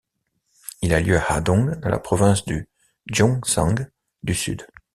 Il a lieu à Hadong dans la province du Gyeongsang du Sud.